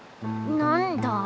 なんだ？